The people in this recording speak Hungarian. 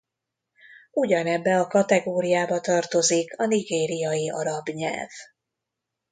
Ugyanebbe a kategóriába tartozik a nigériai arab nyelv.